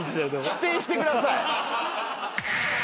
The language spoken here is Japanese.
否定してください。